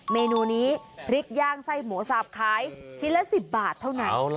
เมนูนี้พริกย่างไส้หมูสาบขายชิ้นละ๑๐บาทเท่านั้น